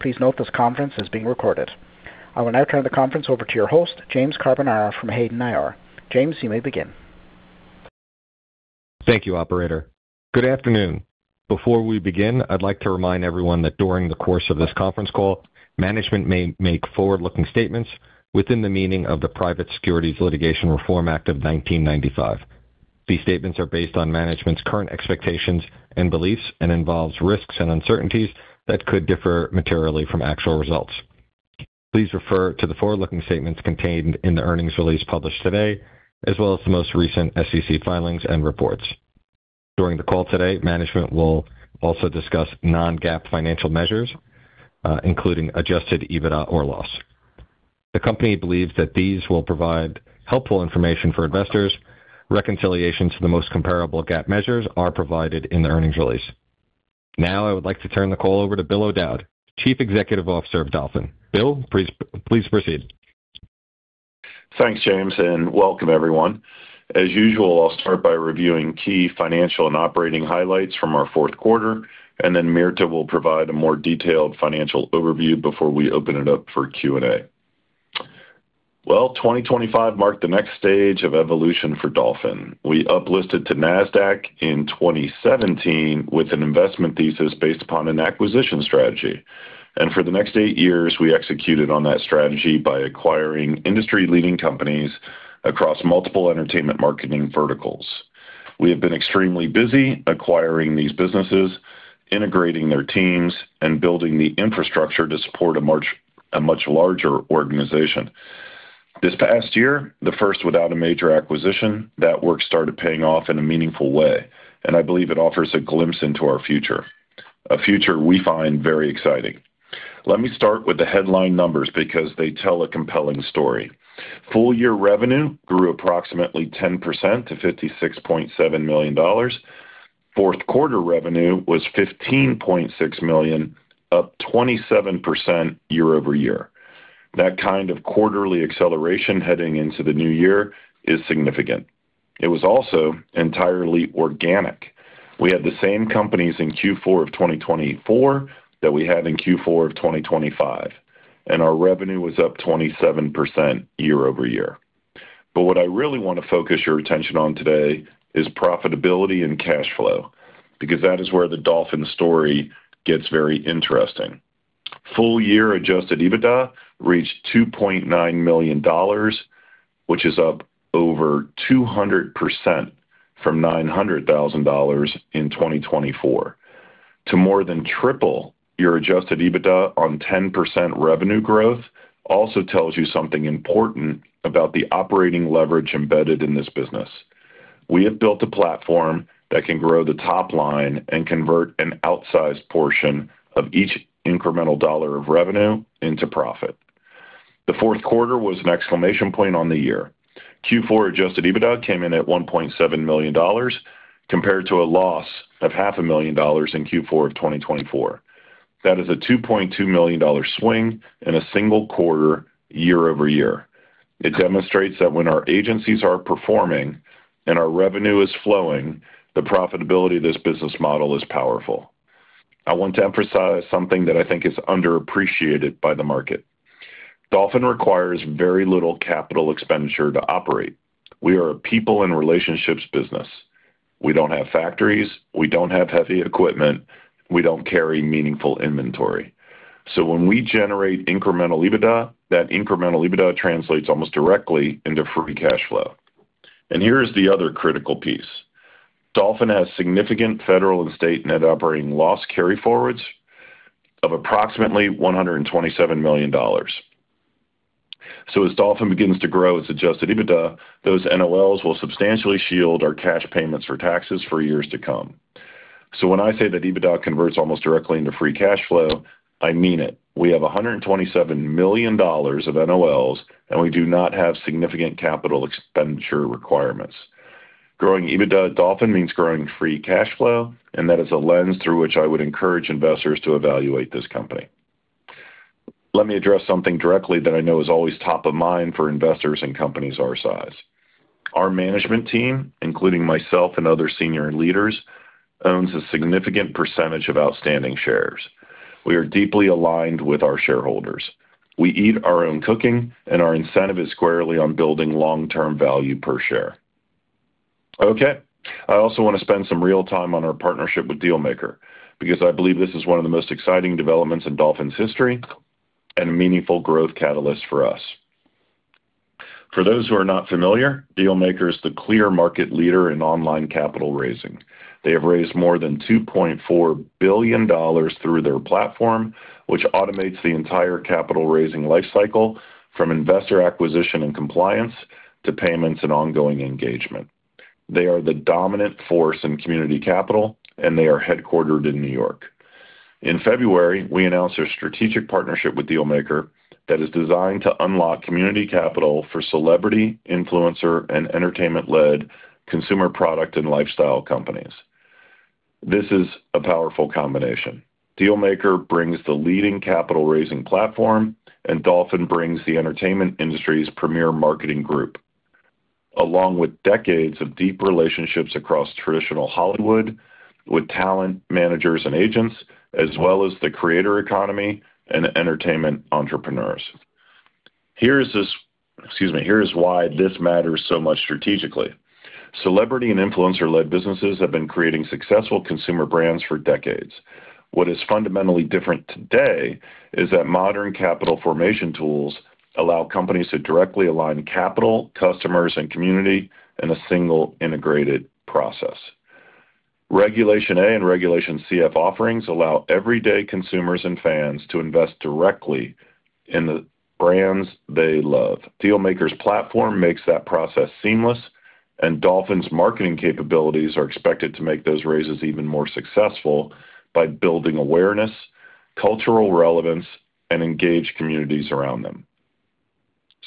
Please note this conference is being recorded. I will now turn the conference over to your host, James Carbonara from Hayden IR. James, you may begin. Thank you, operator. Good afternoon. Before we begin, I'd like to remind everyone that during the course of this conference call, management may make forward-looking statements within the meaning of the Private Securities Litigation Reform Act of 1995. These statements are based on management's current expectations and beliefs and involves risks and uncertainties that could differ materially from actual results. Please refer to the forward-looking statements contained in the earnings release published today, as well as the most recent SEC filings and reports. During the call today, management will also discuss non-GAAP financial measures, including adjusted EBITDA or loss. The company believes that these will provide helpful information for investors. Reconciliations to the most comparable GAAP measures are provided in the earnings release. Now, I would like to turn the call over to Bill O'Dowd, Chief Executive Officer of Dolphin. Bill, please proceed. Thanks, James, and welcome everyone. As usual, I'll start by reviewing key financial and operating highlights from our fourth quarter, and then Mirta will provide a more detailed financial overview before we open it up for Q&A. Well, 2025 marked the next stage of evolution for Dolphin. We uplisted to Nasdaq in 2017 with an investment thesis based upon an acquisition strategy, and for the next eight years, we executed on that strategy by acquiring industry-leading companies across multiple entertainment marketing verticals. We have been extremely busy acquiring these businesses, integrating their teams, and building the infrastructure to support a much larger organization. This past year, the first without a major acquisition, that work started paying off in a meaningful way, and I believe it offers a glimpse into our future, a future we find very exciting. Let me start with the headline numbers because they tell a compelling story. Full year revenue grew approximately 10% to $56.7 million. Fourth quarter revenue was $15.6 million, up 27% year-over-year. That kind of quarterly acceleration heading into the new year is significant. It was also entirely organic. We had the same companies in Q4 of 2024 that we had in Q4 of 2025, and our revenue was up 27% year-over-year. What I really want to focus your attention on today is profitability and cash flow, because that is where the Dolphin story gets very interesting. Full year adjusted EBITDA reached $2.9 million, which is up over 200% from $900,000 in 2024. To more than triple your adjusted EBITDA on 10% revenue growth also tells you something important about the operating leverage embedded in this business. We have built a platform that can grow the top line and convert an outsized portion of each incremental dollar of revenue into profit. The fourth quarter was an exclamation point on the year. Q4 adjusted EBITDA came in at $1.7 million compared to a loss of $500,000 in Q4 of 2024. That is a $2.2 million swing in a single quarter year-over-year. It demonstrates that when our agencies are performing and our revenue is flowing, the profitability of this business model is powerful. I want to emphasize something that I think is underappreciated by the market. Dolphin requires very little capital expenditure to operate. We are a people and relationships business. We don't have factories, we don't have heavy equipment, we don't carry meaningful inventory. When we generate incremental EBITDA, that incremental EBITDA translates almost directly into free cash flow. Here is the other critical piece. Dolphin has significant federal and state net operating loss carryforwards of approximately $127 million. As Dolphin begins to grow its adjusted EBITDA, those NOLs will substantially shield our cash payments for taxes for years to come. When I say that EBITDA converts almost directly into free cash flow, I mean it. We have $127 million of NOLs, and we do not have significant capital expenditure requirements. Growing EBITDA at Dolphin means growing free cash flow, and that is a lens through which I would encourage investors to evaluate this company. Let me address something directly that I know is always top of mind for investors in companies our size. Our management team, including myself and other senior leaders, owns a significant percentage of outstanding shares. We are deeply aligned with our shareholders. We eat our own cooking, and our incentive is squarely on building long-term value per share. Okay. I also want to spend some real time on our partnership with DealMaker because I believe this is one of the most exciting developments in Dolphin's history and a meaningful growth catalyst for us. For those who are not familiar, DealMaker is the clear market leader in online capital raising. They have raised more than $2.4 billion through their platform, which automates the entire capital raising lifecycle from investor acquisition and compliance to payments and ongoing engagement. They are the dominant force in community capital, and they are headquartered in New York. In February, we announced our strategic partnership with DealMaker that is designed to unlock community capital for celebrity, influencer, and entertainment-led consumer product and lifestyle companies. This is a powerful combination. DealMaker brings the leading capital raising platform, and Dolphin brings the entertainment industry's premier marketing group. Along with decades of deep relationships across traditional Hollywood, with talent managers and agents, as well as the creator economy and entertainment entrepreneurs. Here is why this matters so much strategically. Celebrity and influencer-led businesses have been creating successful consumer brands for decades. What is fundamentally different today is that modern capital formation tools allow companies to directly align capital, customers, and community in a single integrated process. Regulation A and Regulation CF offerings allow everyday consumers and fans to invest directly in the brands they love. DealMaker's platform makes that process seamless, and Dolphin's marketing capabilities are expected to make those raises even more successful by building awareness, cultural relevance, and engage communities around them.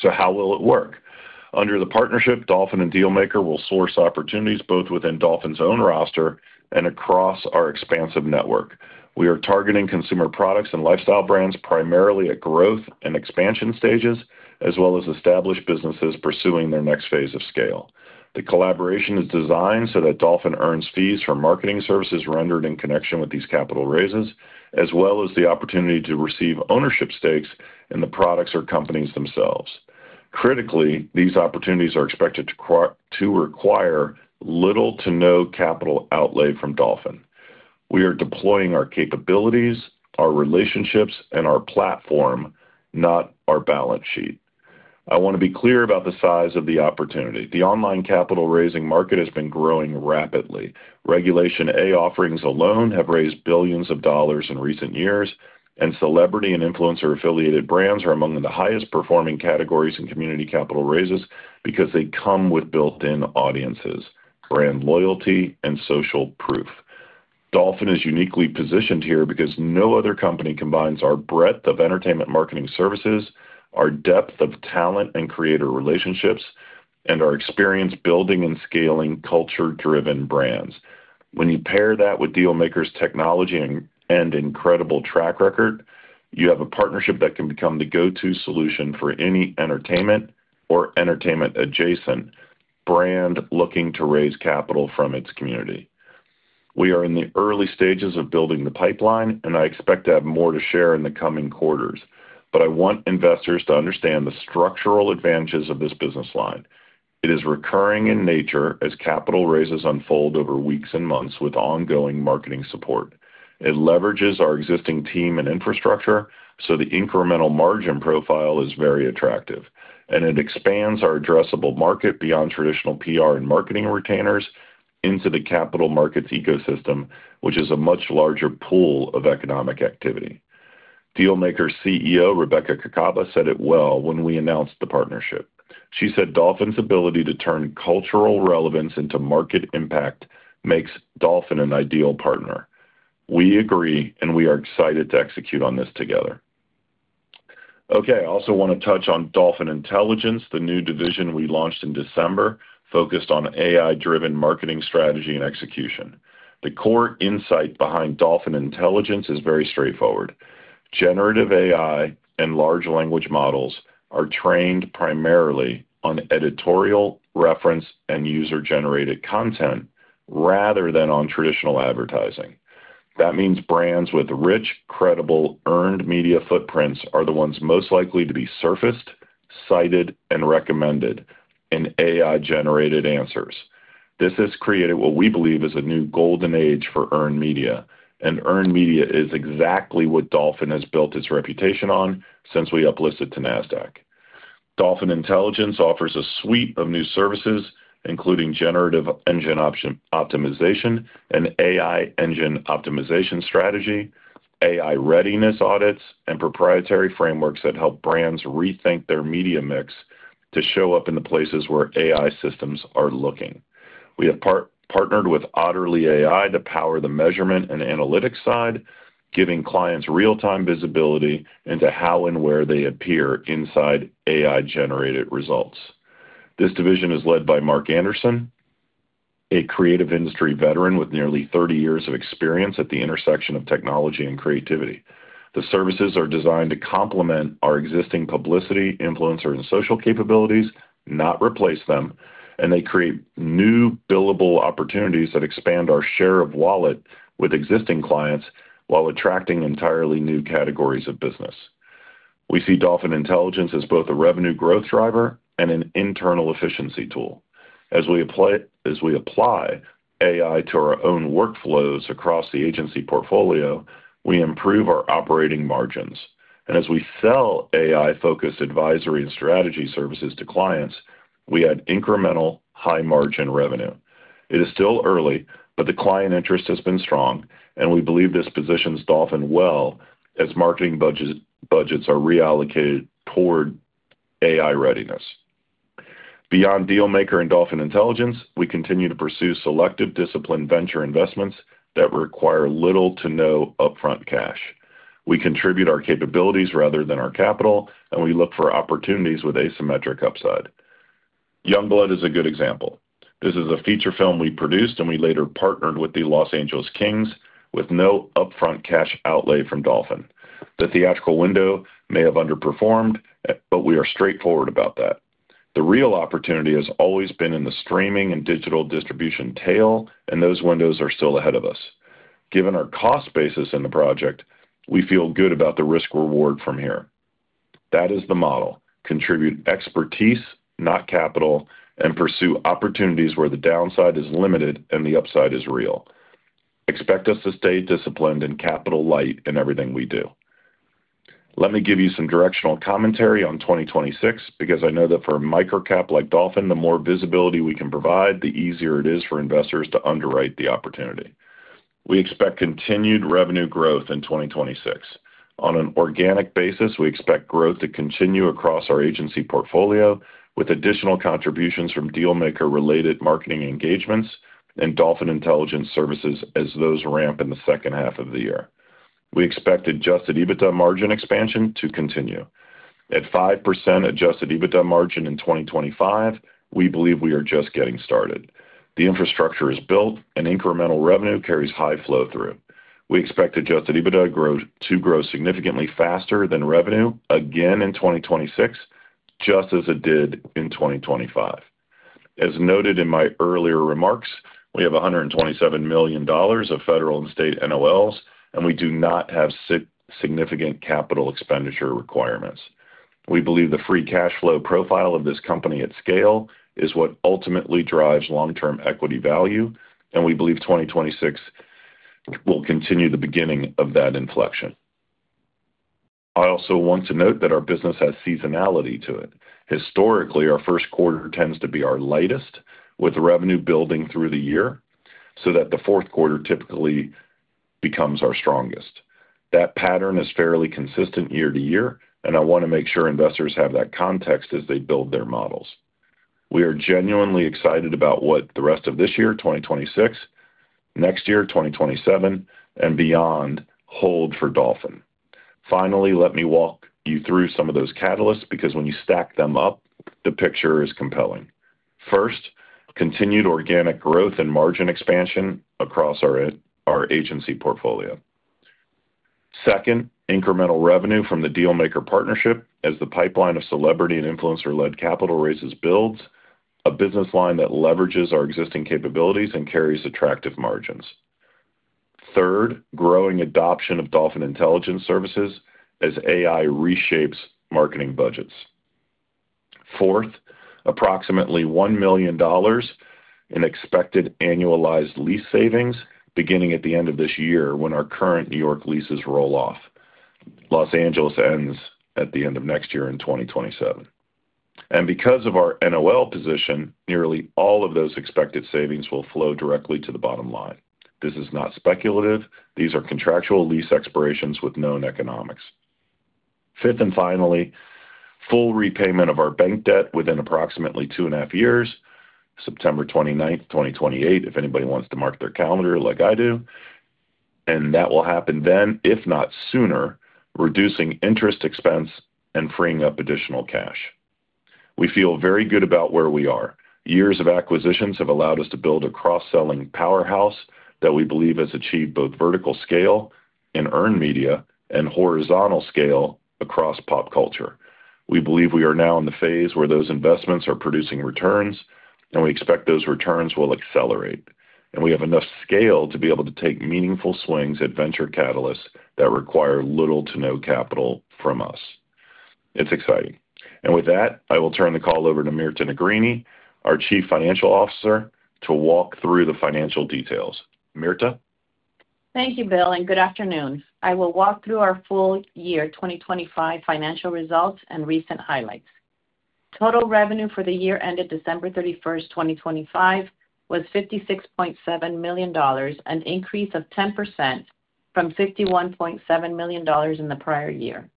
How will it work? Under the partnership, Dolphin and DealMaker will source opportunities both within Dolphin's own roster and across our expansive network. We are targeting consumer products and lifestyle brands primarily at growth and expansion stages, as well as established businesses pursuing their next phase of scale. The collaboration is designed so that Dolphin earns fees from marketing services rendered in connection with these capital raises, as well as the opportunity to receive ownership stakes in the products or companies themselves. Critically, these opportunities are expected to require little to no capital outlay from Dolphin. We are deploying our capabilities, our relationships, and our platform, not our balance sheet. I want to be clear about the size of the opportunity. The online capital raising market has been growing rapidly. Regulation A offerings alone have raised billions of dollars in recent years, and celebrity and influencer-affiliated brands are among the highest performing categories in community capital raises because they come with built-in audiences, brand loyalty, and social proof. Dolphin is uniquely positioned here because no other company combines our breadth of entertainment marketing services, our depth of talent and creator relationships, and our experience building and scaling culture-driven brands. When you pair that with DealMaker's technology and incredible track record, you have a partnership that can become the go-to solution for any entertainment or entertainment-adjacent brand looking to raise capital from its community. We are in the early stages of building the pipeline, and I expect to have more to share in the coming quarters, but I want investors to understand the structural advantages of this business line. It is recurring in nature as capital raises unfold over weeks and months with ongoing marketing support. It leverages our existing team and infrastructure, so the incremental margin profile is very attractive. It expands our addressable market beyond traditional PR and marketing retainers into the capital markets ecosystem, which is a much larger pool of economic activity. DealMaker CEO Rebecca Kacaba said it well when we announced the partnership. She said, "Dolphin's ability to turn cultural relevance into market impact makes Dolphin an ideal partner." We agree, and we are excited to execute on this together. Okay, I also wanna touch on Dolphin Intelligence, the new division we launched in December focused on AI-driven marketing strategy and execution. The core insight behind Dolphin Intelligence is very straightforward. Generative AI and large language models are trained primarily on editorial reference and user-generated content rather than on traditional advertising. That means brands with rich, credible, earned media footprints are the ones most likely to be surfaced, cited, and recommended in AI-generated answers. This has created what we believe is a new golden age for earned media, and earned media is exactly what Dolphin has built its reputation on since we uplisted to Nasdaq. Dolphin Intelligence offers a suite of new services, including generative engine optimization and AI engine optimization strategy, AI readiness audits, and proprietary frameworks that help brands rethink their media mix to show up in the places where AI systems are looking. We have partnered with Otterly AI to power the measurement and analytics side, giving clients real-time visibility into how and where they appear inside AI-generated results. This division is led by Mark Anderson, a creative industry veteran with nearly 30 years of experience at the intersection of technology and creativity. The services are designed to complement our existing publicity, influencer, and social capabilities, not replace them, and they create new billable opportunities that expand our share of wallet with existing clients while attracting entirely new categories of business. We see Dolphin Intelligence as both a revenue growth driver and an internal efficiency tool. As we apply AI to our own workflows across the agency portfolio, we improve our operating margins. As we sell AI-focused advisory and strategy services to clients, we add incremental high margin revenue. It is still early, but the client interest has been strong, and we believe this positions Dolphin well as marketing budgets are reallocated toward AI readiness. Beyond DealMaker and Dolphin Intelligence, we continue to pursue selective disciplined venture investments that require little to no upfront cash. We contribute our capabilities rather than our capital, and we look for opportunities with asymmetric upside. Youngblood is a good example. This is a feature film we produced and we later partnered with the Los Angeles Kings with no upfront cash outlay from Dolphin. The theatrical window may have underperformed, but we are straightforward about that. The real opportunity has always been in the streaming and digital distribution tail, and those windows are still ahead of us. Given our cost basis in the project, we feel good about the risk reward from here. That is the model. Contribute expertise, not capital, and pursue opportunities where the downside is limited and the upside is real. Expect us to stay disciplined and capital light in everything we do. Let me give you some directional commentary on 2026 because I know that for a micro cap like Dolphin, the more visibility we can provide, the easier it is for investors to underwrite the opportunity. We expect continued revenue growth in 2026. On an organic basis, we expect growth to continue across our agency portfolio with additional contributions from DealMaker related marketing engagements and Dolphin Intelligence Services as those ramp in the second half of the year. We expect adjusted EBITDA margin expansion to continue. At 5% adjusted EBITDA margin in 2025, we believe we are just getting started. The infrastructure is built and incremental revenue carries high flow through. We expect adjusted EBITDA to grow significantly faster than revenue again in 2026, just as it did in 2025. As noted in my earlier remarks, we have $127 million of federal and state NOLs, and we do not have significant capital expenditure requirements. We believe the free cash flow profile of this company at scale is what ultimately drives long-term equity value, and we believe 2026 will continue the beginning of that inflection. I also want to note that our business has seasonality to it. Historically, our first quarter tends to be our lightest with revenue building through the year so that the fourth quarter typically becomes our strongest. That pattern is fairly consistent year to year, and I wanna make sure investors have that context as they build their models. We are genuinely excited about what the rest of this year, 2026, next year, 2027, and beyond hold for Dolphin. Finally, let me walk you through some of those catalysts because when you stack them up, the picture is compelling. First, continued organic growth and margin expansion across our agency portfolio. Second, incremental revenue from the DealMaker partnership as the pipeline of celebrity and influencer-led capital raises builds a business line that leverages our existing capabilities and carries attractive margins. Third, growing adoption of Dolphin Intelligence Services as AI reshapes marketing budgets. Fourth, approximately $1 million in expected annualized lease savings beginning at the end of this year when our current New York leases roll off. Los Angeles ends at the end of next year in 2027. Because of our NOL position, nearly all of those expected savings will flow directly to the bottom line. This is not speculative. These are contractual lease expirations with known economics. Fifth, and finally, full repayment of our bank debt within approximately two and a half years, September 29, 2028, if anybody wants to mark their calendar like I do, and that will happen then, if not sooner, reducing interest expense and freeing up additional cash. We feel very good about where we are. Years of acquisitions have allowed us to build a cross-selling powerhouse that we believe has achieved both vertical scale in earned media and horizontal scale across pop culture. We believe we are now in the phase where those investments are producing returns, and we expect those returns will accelerate. We have enough scale to be able to take meaningful swings at venture catalysts that require little to no capital from us. It's exciting. With that, I will turn the call over to Mirta Negrini, our Chief Financial Officer, to walk through the financial details. Mirta. Thank you, Bill, and good afternoon. I will walk through our full year 2025 financial results and recent highlights. Total revenue for the year ended December 31st, 2025, was $56.7 million, an increase of 10% from $51.7 million in the prior year.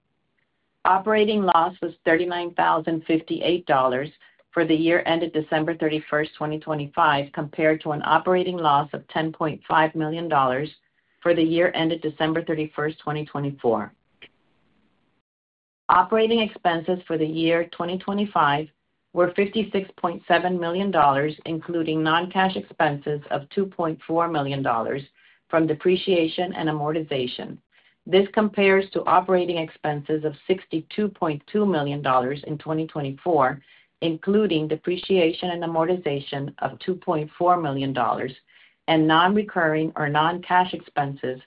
Operating loss was $39,058 for the year ended December 31st, 2025, compared to an operating loss of $10.5 million for the year ended December 31st, 2024. Operating expenses for the year 2025 were $56.7 million, including non-cash expenses of $2.4 million from depreciation and amortization. This compares to operating expenses of $62.2 million in 2024, including depreciation and amortization of $2.4 million and non-recurring or non-cash expenses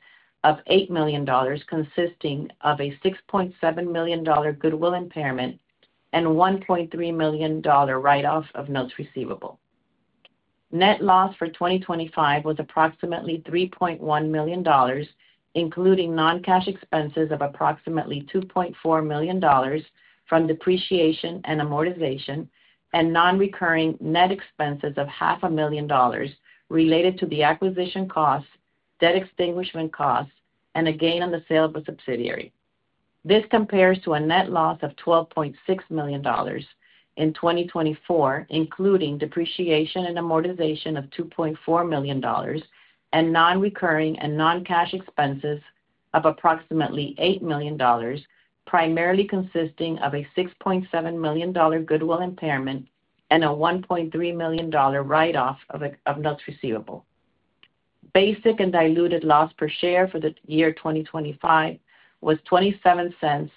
of $8 million, consisting of a $6.7 million goodwill impairment and $1.3 million write-off of notes receivable. Net loss for 2025 was approximately $3.1 million, including non-cash expenses of approximately $2.4 million from depreciation and amortization and non-recurring net expenses of $500,000 related to the acquisition costs, debt extinguishment costs, and a gain on the sale of a subsidiary. This compares to a net loss of $12.6 million in 2024, including depreciation and amortization of $2.4 million and non-recurring and non-cash expenses of approximately $8 million, primarily consisting of a $6.7 million goodwill impairment and a $1.3 million write-off of accounts receivable. Basic and diluted loss per share for the year 2025 was $0.27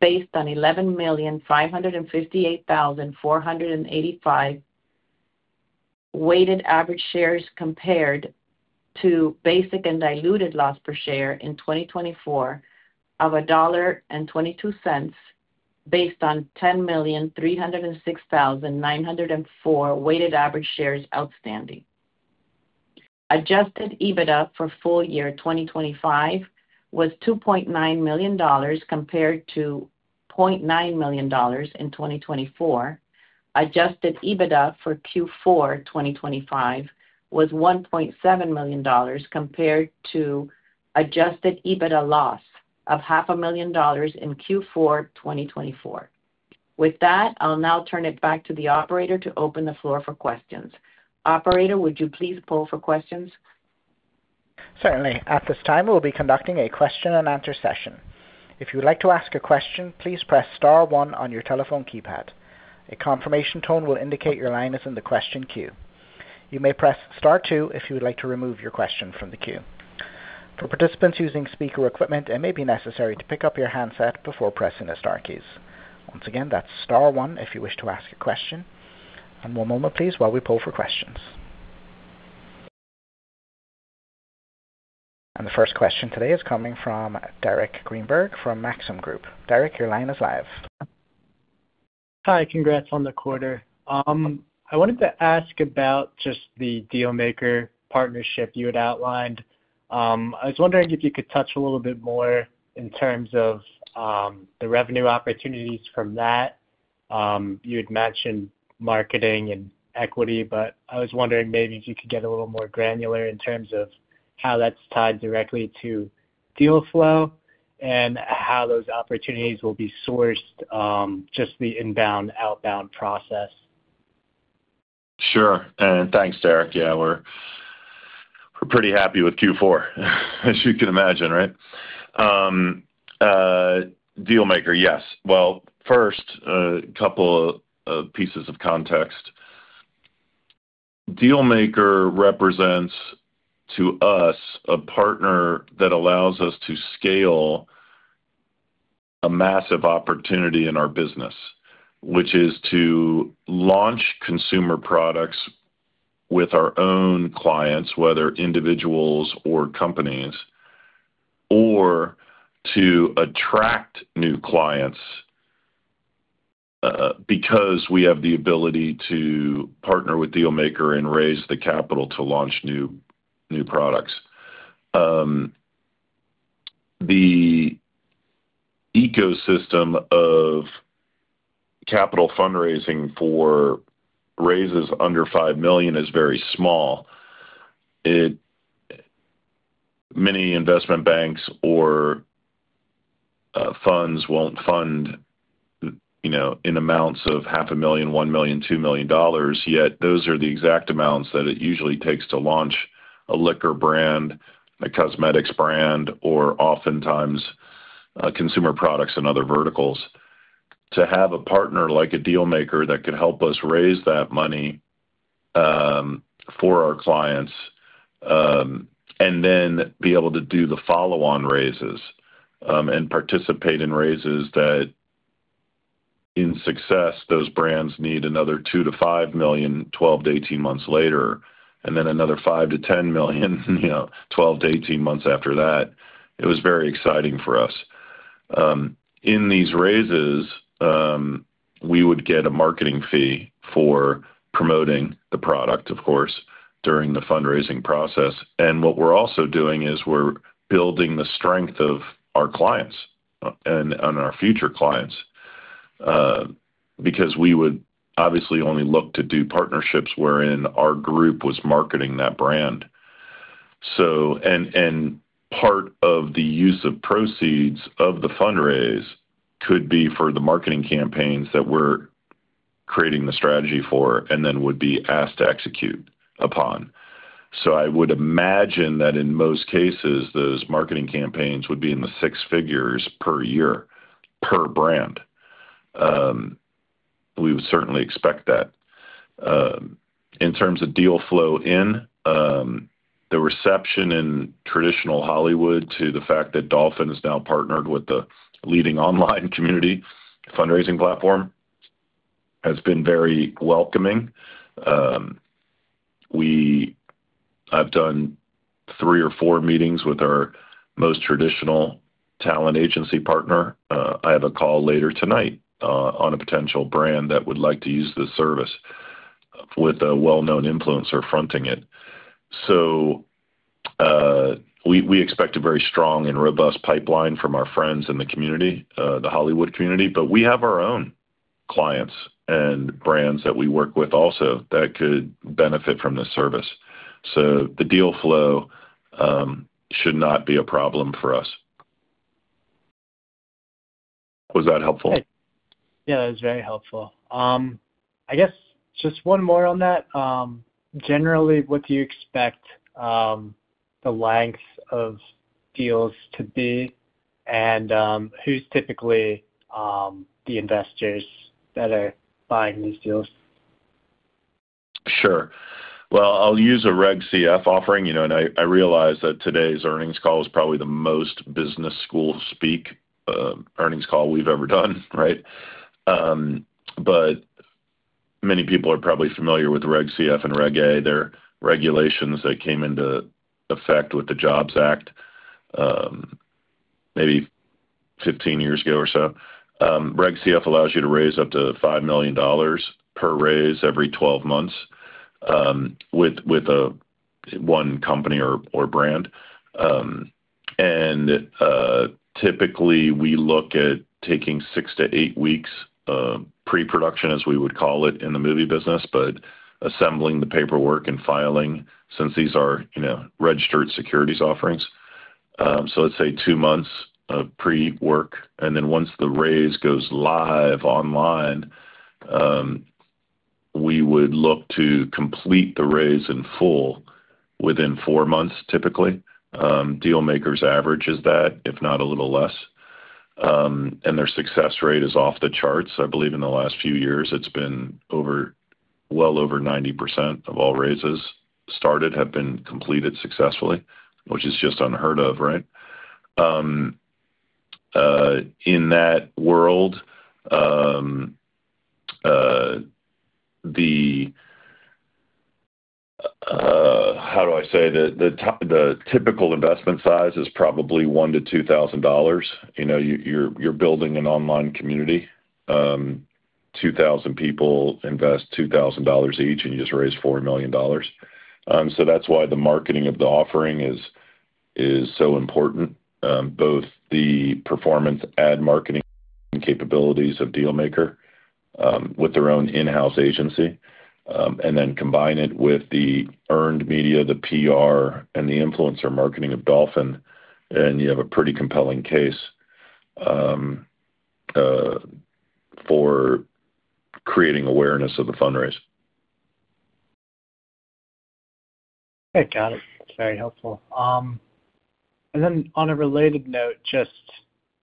based on 11,558,485 weighted average shares compared to basic and diluted loss per share in 2024 of $1.22 based on 10,306,904 weighted average shares outstanding. Adjusted EBITDA for full year 2025 was $2.9 million compared to $0.9 million in 2024. Adjusted EBITDA for Q4 2025 was $1.7 million compared to adjusted EBITDA loss of $500,000 in Q4 2024. With that, I'll now turn it back to the operator to open the floor for questions. Operator, would you please poll for questions? Certainly. At this time, we'll be conducting a question and answer session. If you'd like to ask a question, please press star one on your telephone keypad. A confirmation tone will indicate your line is in the question queue. You may press star two if you would like to remove your question from the queue. For participants using speaker equipment, it may be necessary to pick up your handset before pressing the star keys. Once again, that's star one if you wish to ask a question. One more moment please while we poll for questions. The first question today is coming from Derek Greenberg from Maxim Group. Derek, your line is live. Hi. Congrats on the quarter. I wanted to ask about just the DealMaker partnership you had outlined. I was wondering if you could touch a little bit more in terms of the revenue opportunities from that. You had mentioned marketing and equity, but I was wondering maybe if you could get a little more granular in terms of how that's tied directly to deal flow and how those opportunities will be sourced, just the inbound, outbound process. Thanks, Derek. Yeah, we're pretty happy with Q4, as you can imagine, right? DealMaker, yes. Well, first, a couple of pieces of context. DealMaker represents to us a partner that allows us to scale a massive opportunity in our business, which is to launch consumer products with our own clients, whether individuals or companies, or to attract new clients because we have the ability to partner with DealMaker and raise the capital to launch new products. The ecosystem of capital fundraising for raises under $5 million is very small. Many investment banks or funds won't fund, you know, in amounts of half a million, $1 million, $2 million, yet those are the exact amounts that it usually takes to launch a liquor brand, a cosmetics brand, or oftentimes consumer products in other verticals. To have a partner like DealMaker that could help us raise that money for our clients and then be able to do the follow-on raises and participate in raises that in success, those brands need another $2 million-$5 million, 12-18 months later, and then another $5 million-$10 million, you know, 12-18 months after that. It was very exciting for us. In these raises, we would get a marketing fee for promoting the product, of course, during the fundraising process. What we're also doing is we're building the strength of our clients and our future clients because we would obviously only look to do partnerships wherein our group was marketing that brand. Part of the use of proceeds of the fundraise could be for the marketing campaigns that we're creating the strategy for and then would be asked to execute upon. I would imagine that in most cases, those marketing campaigns would be in the six figures per year per brand. We would certainly expect that. In terms of deal flow in the reception in traditional Hollywood to the fact that Dolphin is now partnered with the leading online community fundraising platform has been very welcoming. I've done three or four meetings with our most traditional talent agency partner. I have a call later tonight on a potential brand that would like to use the service with a well-known influencer fronting it. We expect a very strong and robust pipeline from our friends in the community, the Hollywood community, but we have our own clients and brands that we work with also that could benefit from the service. The deal flow should not be a problem for us. Was that helpful? Yeah, that was very helpful. I guess just one more on that. Generally, what do you expect the length of deals to be and who's typically the investors that are buying these deals? Sure. Well, I'll use a Reg CF offering, you know, and I realize that today's earnings call is probably the most business school-speak earnings call we've ever done, right? But many people are probably familiar with Reg CF and Reg A. They're regulations that came into effect with the JOBS Act, maybe 15 years ago or so. Reg CF allows you to raise up to $5 million per raise every 12 months, with one company or brand. Typically, we look at taking 6-8 weeks of pre-production, as we would call it in the movie business, but assembling the paperwork and filing since these are, you know, registered securities offerings. Let's say two months of pre-work, and then once the raise goes live online, we would look to complete the raise in full within four months, typically. DealMaker's average is that, if not a little less. Their success rate is off the charts. I believe in the last few years it's been over, well over 90% of all raises started have been completed successfully, which is just unheard of, right? In that world, the typical investment size is probably $1,000-$2,000. You know, you're building an online community. 2,000 people invest $2,000 each, and you just raise $4 million. That's why the marketing of the offering is so important. Both the performance ad marketing capabilities of DealMaker, with their own in-house agency, and then combine it with the earned media, the PR, and the influencer marketing of Dolphin, and you have a pretty compelling case for creating awareness of the fundraise. Okay. Got it. That's very helpful. On a related note, just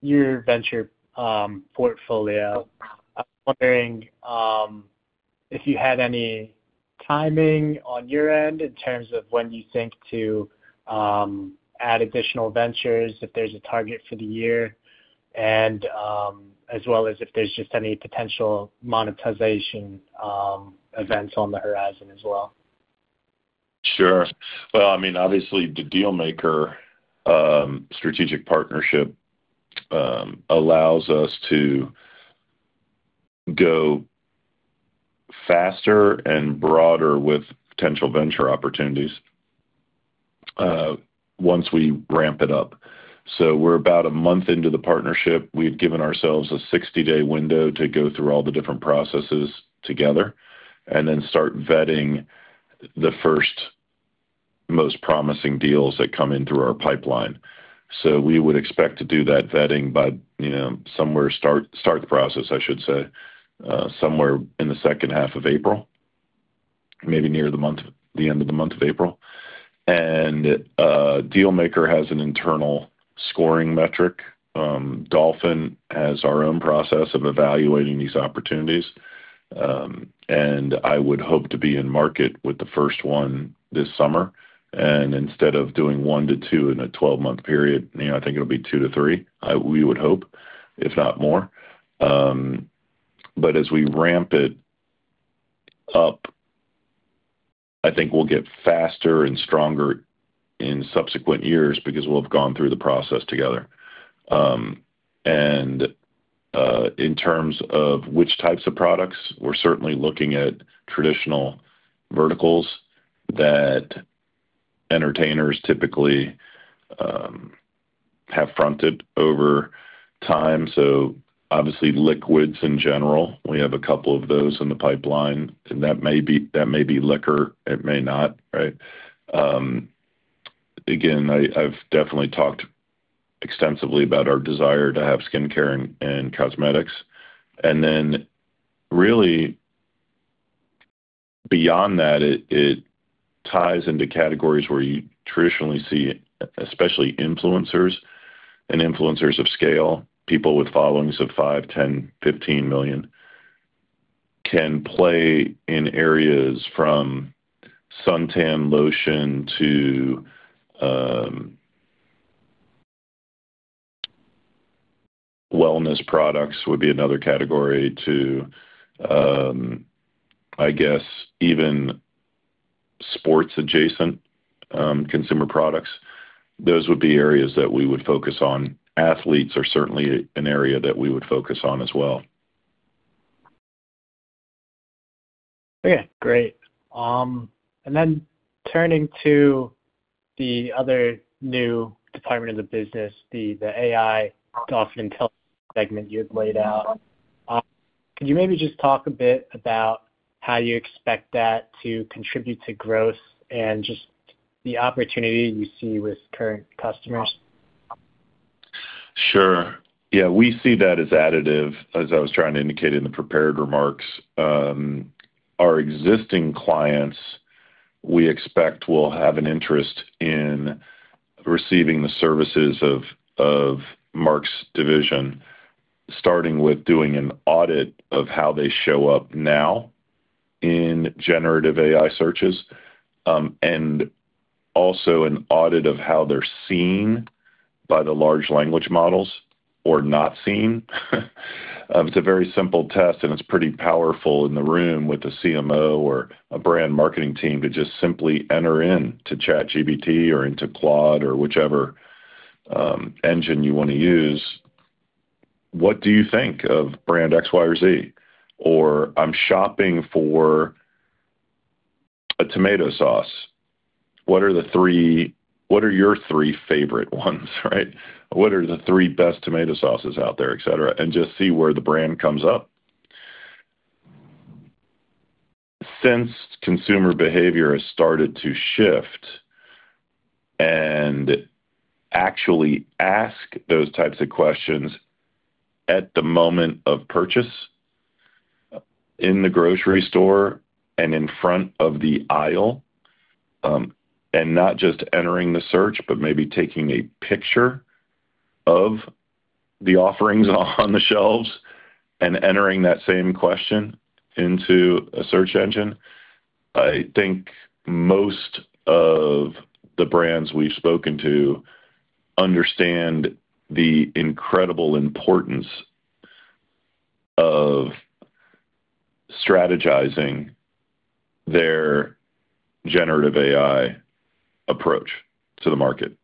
your venture portfolio. I'm wondering if you had any timing on your end in terms of when you think to add additional ventures, if there's a target for the year and as well as if there's just any potential monetization events on the horizon as well. Sure. Well, I mean, obviously the DealMaker strategic partnership allows us to go faster and broader with potential venture opportunities once we ramp it up. We're about a month into the partnership. We've given ourselves a 60-day window to go through all the different processes together and then start vetting the first most promising deals that come in through our pipeline. We would expect to do that vetting by, you know, somewhere in the second half of April, maybe near the end of the month of April. DealMaker has an internal scoring metric. Dolphin has our own process of evaluating these opportunities. I would hope to be in market with the first one this summer. Instead of doing 1-2 in a 12-month period, you know, I think it'll be 2-3, we would hope, if not more. But as we ramp it up, I think we'll get faster and stronger in subsequent years because we'll have gone through the process together. In terms of which types of products, we're certainly looking at traditional verticals that entertainers typically have fronted over time. Obviously, liquids in general. We have a couple of those in the pipeline. That may be liquor, it may not, right? Again, I've definitely talked extensively about our desire to have skincare and cosmetics. Then really beyond that, it ties into categories where you traditionally see, especially influencers and influencers of scale. People with followings of 5, 10, 15 million can play in areas from suntan lotion to wellness products would be another category to I guess even sports adjacent consumer products. Those would be areas that we would focus on. Athletes are certainly an area that we would focus on as well. Okay, great. Turning to the other new department of the business, the AI Dolphin Intelligence segment you had laid out. Could you maybe just talk a bit about how you expect that to contribute to growth and the opportunity you see with current customers? Sure. Yeah, we see that as additive, as I was trying to indicate in the prepared remarks. Our existing clients, we expect will have an interest in receiving the services of Mark's division, starting with doing an audit of how they show up now in generative AI searches, and also an audit of how they're seen by the large language models or not seen. It's a very simple test, and it's pretty powerful in the room with the CMO or a brand marketing team to just simply enter into ChatGPT or into Claude or whichever engine you wanna use. What do you think of brand X, Y, or Z? Or I'm shopping for a tomato sauce. What are your three favorite ones, right? What are the three best tomato sauces out there, et cetera, and just see where the brand comes up. Since consumer behavior has started to shift and actually ask those types of questions at the moment of purchase in the grocery store and in front of the aisle, and not just entering the search, but maybe taking a picture of the offerings on the shelves and entering that same question into a search engine. I think most of the brands we've spoken to understand the incredible importance of strategizing their generative AI approach to the market.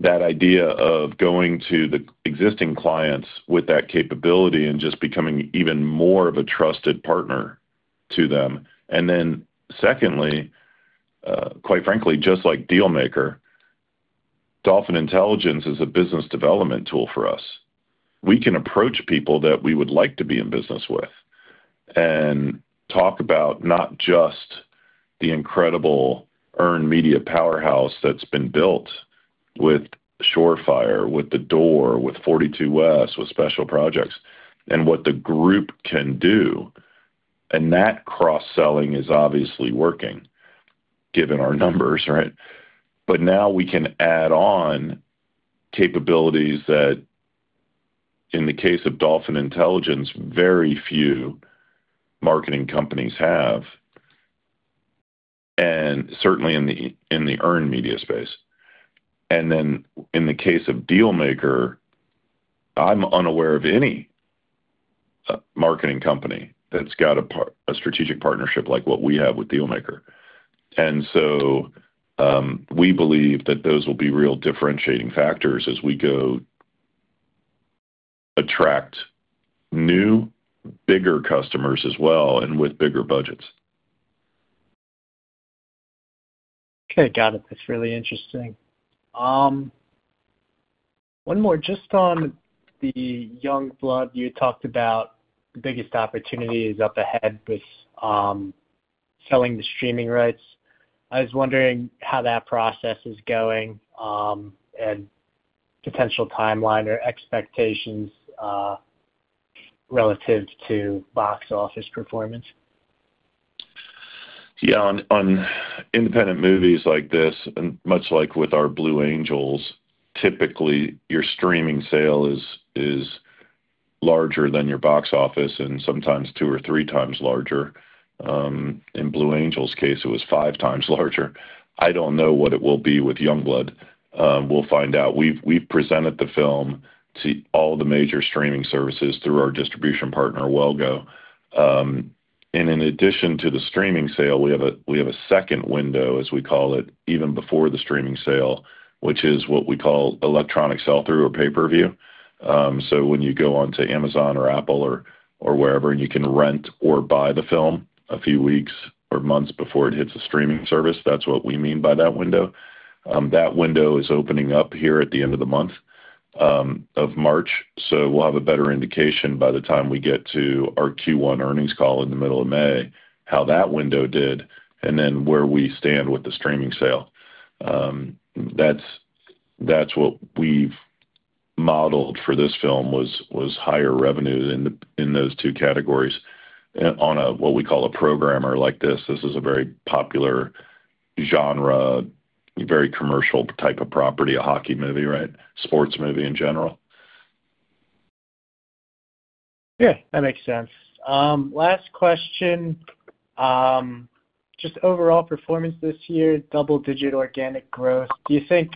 That idea of going to the existing clients with that capability and just becoming even more of a trusted partner to them. Then secondly, quite frankly, just like DealMaker, Dolphin Intelligence is a business development tool for us. We can approach people that we would like to be in business with and talk about not just the incredible earned media powerhouse that's been built with Shore Fire Media, with The Door, with 42West, with Special Projects, and what the group can do, and that cross-selling is obviously working given our numbers, right? Now we can add on capabilities that, in the case of Dolphin Intelligence, very few marketing companies have, and certainly in the earned media space. Then in the case of DealMaker, I'm unaware of any marketing company that's got a strategic partnership like what we have with DealMaker. We believe that those will be real differentiating factors as we go attract new, bigger customers as well, and with bigger budgets. Okay. Got it. That's really interesting. One more. Just on the Youngblood, you talked about the biggest opportunity is up ahead with, selling the streaming rights. I was wondering how that process is going, and potential timeline or expectations, relative to box office performance. Yeah. On independent movies like this, and much like with our Blue Angels, typically your streaming sale is larger than your box office and sometimes two or three times larger. In Blue Angels case, it was five times larger. I don't know what it will be with Youngblood. We'll find out. We've presented the film to all the major streaming services through our distribution partner, Well Go. In addition to the streaming sale, we have a second window, as we call it, even before the streaming sale, which is what we call Electronic Sell-Through or pay-per-view. When you go onto Amazon or Apple or wherever, and you can rent or buy the film a few weeks or months before it hits a streaming service, that's what we mean by that window. That window is opening up here at the end of the month of March. We'll have a better indication by the time we get to our Q1 earnings call in the middle of May, how that window did and then where we stand with the streaming sale. That's what we've modeled for this film was higher revenue in those two categories on a what we call a programmer like this. This is a very popular genre, very commercial type of property, a hockey movie, right? Sports movie in general. Yeah, that makes sense. Last question. Just overall performance this year, double-digit organic growth. Do you think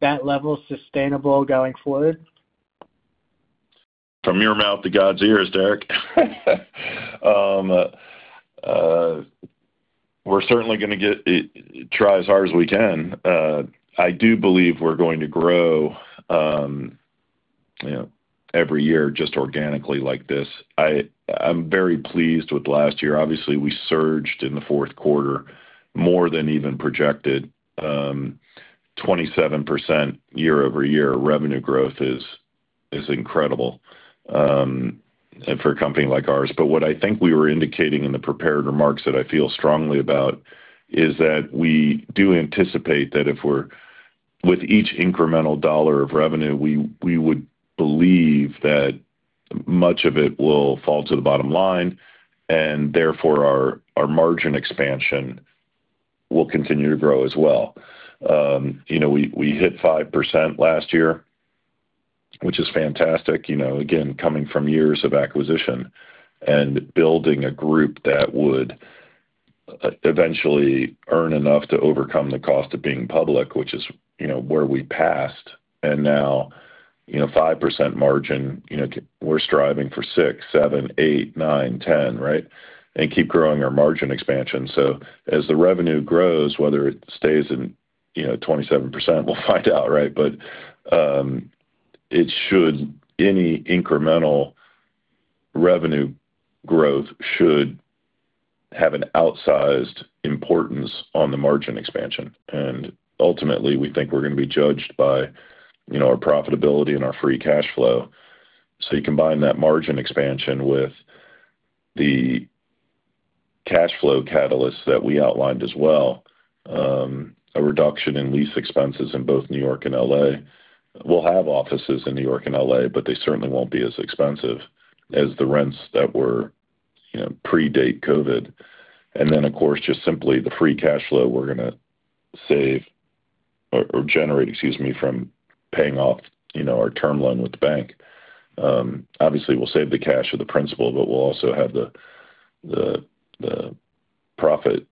that level's sustainable going forward? From your mouth to God's ears, Derek. We're certainly gonna try as hard as we can. I do believe we're going to grow, you know, every year just organically like this. I'm very pleased with last year. Obviously, we surged in the fourth quarter more than even projected. 27% year-over-year revenue growth is incredible for a company like ours. What I think we were indicating in the prepared remarks that I feel strongly about is that we do anticipate that with each incremental dollar of revenue, we would believe that much of it will fall to the bottom line and therefore our margin expansion will continue to grow as well. You know, we hit 5% last year, which is fantastic. You know, again, coming from years of acquisition and building a group that would eventually earn enough to overcome the cost of being public, which is, you know, where we passed. Now, you know, 5% margin, you know, we're striving for 6%, 7%, 8%, 9%, 10%, right? Keep growing our margin expansion. As the revenue grows, whether it stays in, you know, 27%, we'll find out, right? It should any incremental revenue growth have an outsized importance on the margin expansion. Ultimately, we think we're gonna be judged by, you know, our profitability and our free cash flow. You combine that margin expansion with the cash flow catalyst that we outlined as well, a reduction in lease expenses in both New York and L.A. We'll have offices in New York and L.A., but they certainly won't be as expensive as the rents that were, you know, pre-date COVID. Then, of course, just simply the free cash flow we're gonna save or generate, excuse me, from paying off, you know, our term loan with the bank. Obviously, we'll save the cash or the principal, but we'll also have the profit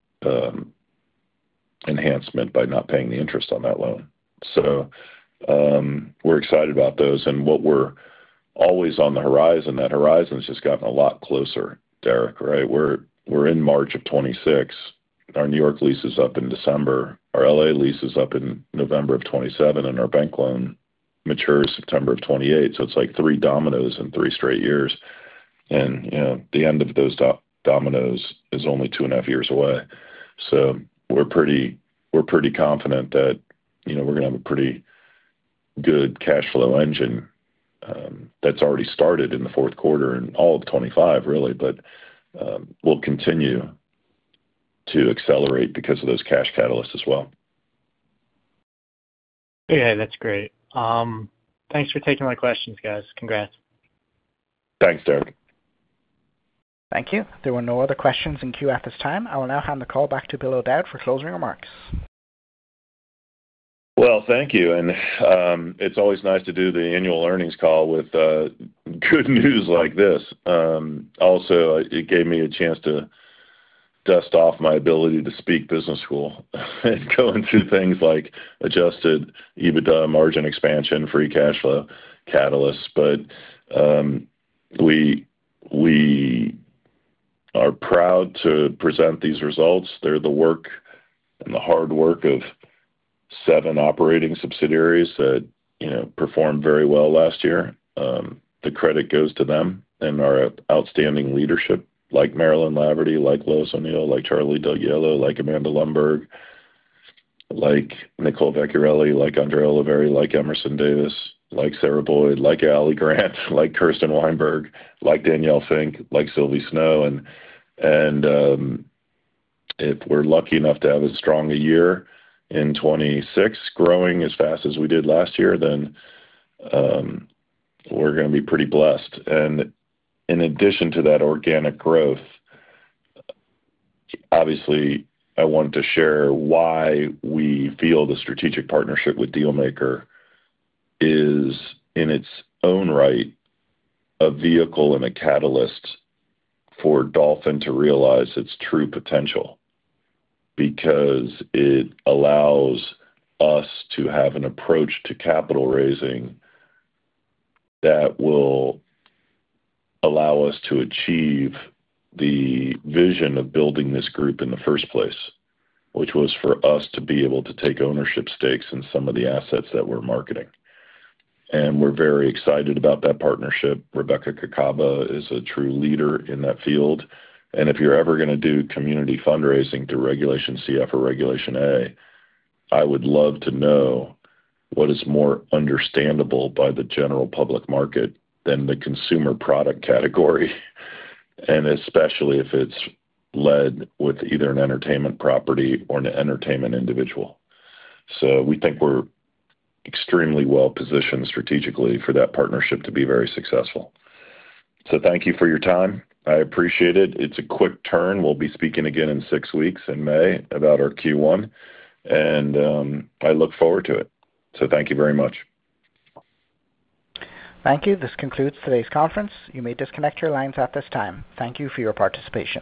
enhancement by not paying the interest on that loan. We're excited about those. What's always on the horizon, that horizon's just gotten a lot closer, Derek, right? We're in March 2026. Our New York lease is up in December. Our L.A. lease is up in November 2027, and our bank loan matures September 2028. It's like three dominoes in three straight years. You know, the end of those dominoes is only two and a half years away. We're pretty confident that, you know, we're gonna have a pretty good cash flow engine that's already started in the fourth quarter and all of 2025, really. We'll continue to accelerate because of those cash catalysts as well. Yeah, that's great. Thanks for taking my questions, guys. Congrats. Thanks, Derek. Thank you. There were no other questions in queue at this time. I will now hand the call back to Bill O'Dowd for closing remarks. Well, thank you. It's always nice to do the annual earnings call with good news like this. Also it gave me a chance to dust off my ability to speak business school and go into things like adjusted EBITDA, margin expansion, free cash flow, catalysts. We are proud to present these results. They're the work and the hard work of seven operating subsidiaries that, you know, performed very well last year. The credit goes to them and our outstanding leadership, like Marilyn Laverty, like Lois O'Neill, like Charlie Dougiello, like Amanda Lundberg, like Nicole Vecchiarelli, like Andrea Oliveri, like Emerson Davis, like Sarah Boyd, like Ali Grant, like Kirsten Weinberg, like Danielle Finck, like Silvie Snow. If we're lucky enough to have as strong a year in 2026, growing as fast as we did last year, then we're gonna be pretty blessed. In addition to that organic growth, obviously, I wanted to share why we feel the strategic partnership with DealMaker is, in its own right, a vehicle and a catalyst for Dolphin to realize its true potential, because it allows us to have an approach to capital raising that will allow us to achieve the vision of building this group in the first place, which was for us to be able to take ownership stakes in some of the assets that we're marketing. We're very excited about that partnership. Rebecca Kacaba is a true leader in that field. If you're ever gonna do community fundraising through Regulation CF or Regulation A, I would love to know what is more understandable by the general public market than the consumer product category, and especially if it's led with either an entertainment property or an entertainment individual. We think we're extremely well positioned strategically for that partnership to be very successful. Thank you for your time. I appreciate it. It's a quick turn. We'll be speaking again in six weeks in May about our Q1, and I look forward to it. Thank you very much. Thank you. This concludes today's conference. You may disconnect your lines at this time. Thank you for your participation.